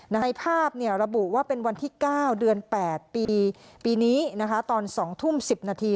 ในภาพเนี้ยระบุว่าเป็นวันที่เก้าเดือนแปดปีปีนี้นะคะตอนสองทุ่มสิบนาที